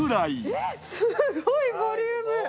えー、すごいボリューム！